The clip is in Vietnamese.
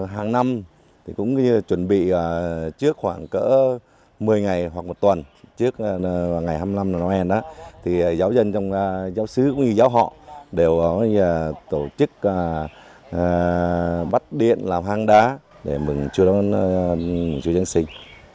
hàng năm cũng như chuẩn bị trước khoảng cỡ một mươi ngày hoặc một tuần trước ngày hai mươi năm tháng hè thì giáo dân trong giáo sứ cũng như giáo họ đều tổ chức bắt điện làm hang đá để mừng chùa dân sinh